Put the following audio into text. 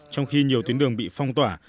trong khi nhiều tuyến đường bị phong tỏa